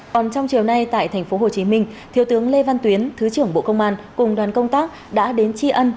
còn trong chiều nay tại tp hcm thiếu tướng lê văn tuyến thứ trưởng bộ công an cùng đoàn công tác đã đến tri ân